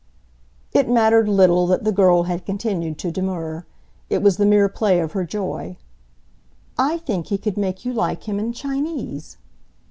It mattered little that the girl had continued to demur it was the mere play of her joy. "I think he could make you like him in Chinese."